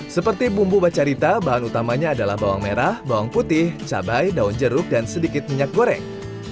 seperti bumbu bacarita bahan utamanya adalah bawang merah bawang putih cabai daun jeruk dan sedikit minyak goreng